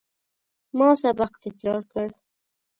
ما سبق تکرار کړ.